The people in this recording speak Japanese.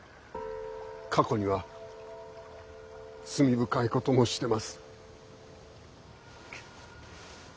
過去には罪深いこともしてます。